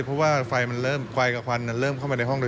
เพราะว่าไฟมันเริ่มควายกระพันแล้วเข้ามาในห้องร